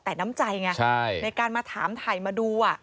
แต่น้ำใจไงในการมาถามถ่ายมาดู